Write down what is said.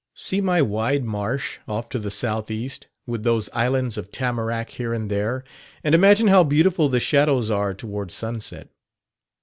See my wide marsh, off to the southeast, with those islands of tamarack here and there, and imagine how beautiful the shadows are toward sunset.